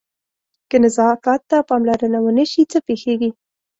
که نظافت ته پاملرنه ونه شي څه پېښېږي؟